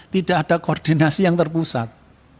tidak ada koordinasi yang terpusat